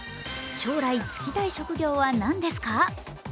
将来、就きたい職業は何ですか？